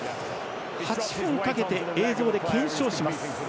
８分かけて映像で検証します。